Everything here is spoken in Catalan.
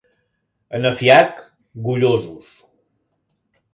A Nefiac, gollosos.